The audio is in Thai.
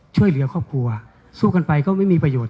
ช่วยเหลือครอบครัวสู้กันไปก็ไม่มีประโยชน